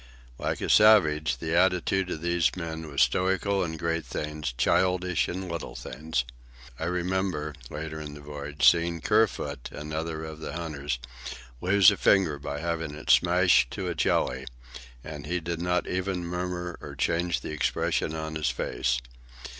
Like the savage, the attitude of these men was stoical in great things, childish in little things. I remember, later in the voyage, seeing Kerfoot, another of the hunters, lose a finger by having it smashed to a jelly; and he did not even murmur or change the expression on his face.